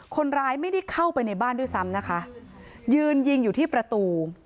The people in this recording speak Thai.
คนร้ายไม่ได้เข้าไปในบ้านด้วยซ้ำนะคะยืนยิงอยู่ที่ประตู